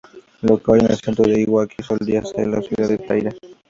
Lo que hoy es el centro de Iwaki, solía ser la ciudad de Taira.